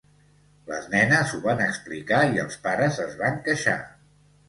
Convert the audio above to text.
Les nenes ho van explicar i els pares es van queixar.